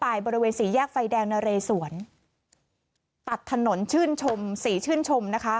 บริเวณสี่แยกไฟแดงนะเรสวนตัดถนนชื่นชมสีชื่นชมนะคะ